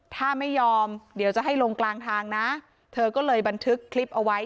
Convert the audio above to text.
ถ้าไม่ยอมเดี๋ยวจะให้ลงกลางทางนะเธอก็เลยบันทึกคลิปเอาไว้